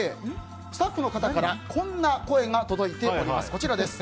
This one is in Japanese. スタッフの方からこんな声が届いております。